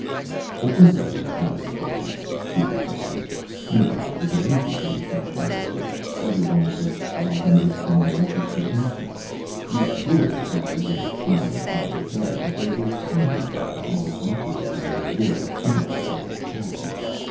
"The principle was entirely different," Cooper told him. "Nobody ever did anything for himself in those days. Everyone was always under someone else's protection. The explorers either were financed by their governments or were sponsored by them or operated under a royal charter or a patent.